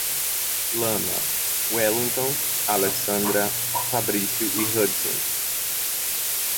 Lana, Welinton, Alexandra, Fabrício e Hudson